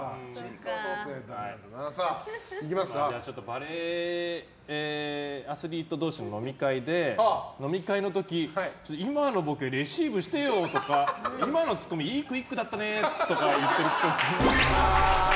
バレーアスリート同士の飲み会で飲み会の時、今のボケレシーブしてよ！とか今のツッコミいいクイックだったねとか言ってるっぽい。